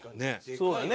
そうだね。